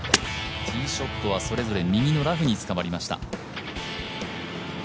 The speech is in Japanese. ティーショットはそれぞれ右のラフにつかまりました。